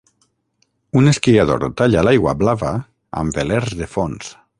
Un esquiador talla l'aigua blava amb velers de fons.